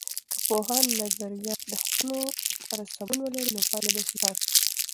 که د پوهاند نظریات د حقیقتونو سره سمون ولري، نو پایلې به شفافې وي.